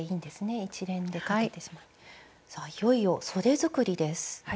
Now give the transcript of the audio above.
さあいよいよそで作りです。